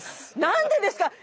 何でですか？